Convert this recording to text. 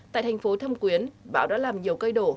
tại thành phố thâm quyến bão đã làm nhiều cây đổ